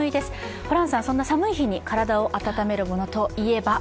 ホランさん、そんな寒い日に体を温めるものといえば？